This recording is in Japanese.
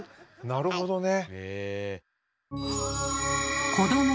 なるほどね。